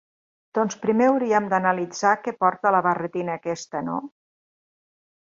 Doncs primer hauríem d'analitzar què porta la barretina aquesta, no?